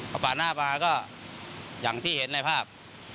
ก็ปากหน้าปากหน้าก็อย่างที่เห็นในภาพ